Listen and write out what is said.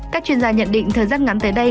các chuyên gia nhận định thời gian ngắn tới đây